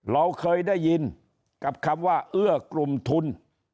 เราเคยได้ยินกับคำว่าเอื้อกลุ่มทุน